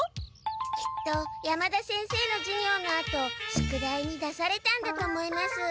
きっと山田先生の授業のあと宿題に出されたんだと思います。